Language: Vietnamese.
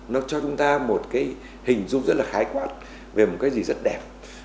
nó cho chúng ta một cái hình dung rất là khái quát về một cái gì rất đẹp